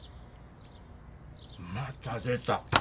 また出た。